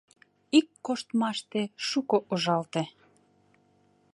Ик коштмаште шуко ужалте.